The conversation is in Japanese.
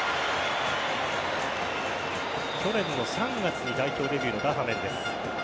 去年の３月に代表デビューのダハメンです。